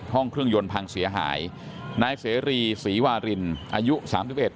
ห้องเครื่องยนต์พังเสียหายนายเสรีศรีวารินอายุสามสิบเอ็ด